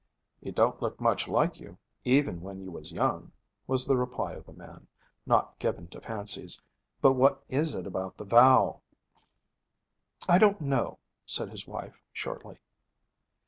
'It don't look much like you, even when you was young,' was the reply of the man, not given to 'fancies'; 'but what is it about the vow?' 'I don't know,' said his wife shortly.